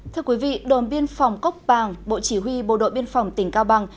thưa quý vị đồn biên phòng cốc bàng bộ chỉ huy bộ đội biên phòng tỉnh cao bằng